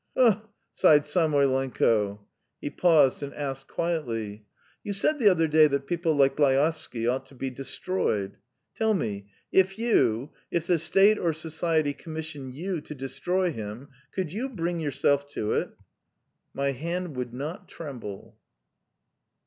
"Ouf!" sighed Samoylenko. He paused and asked quietly: "You said the other day that people like Laevsky ought to be destroyed. ... Tell me, if you ... if the State or society commissioned you to destroy him, could you ... bring yourself to it?" "My hand would not tremble."